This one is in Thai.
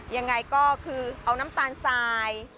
ยังไงก็คือเอาน้ำตาลทราย